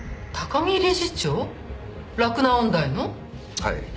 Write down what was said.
はい。